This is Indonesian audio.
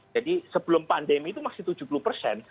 jadi sebelum pandemi itu masih tujuh puluh persen